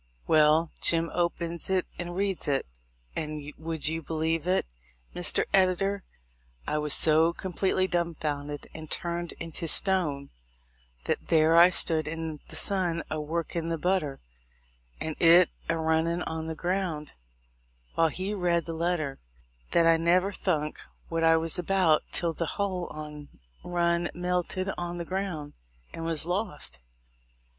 Well, Jim opens it and reads it; and would you believe it, Mr. Editor, I was so com pletely dum founded and turned into stone that there I stood in the sun a workin' the butter, and it a running on the ground, while he read the letter, that I never thunk what I was about till the hull on't run melted on the ground and was lost.